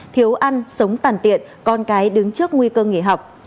thiếu ăn sống tàn tiện con cái đứng trước nguy cơ nghỉ học